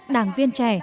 đảng viên trẻ